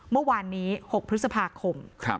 เมื่อวานนี้๖พฤษภาคม